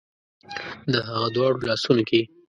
د هغه دواړو لاسونو کې